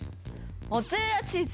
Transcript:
モッツァレラチーズ。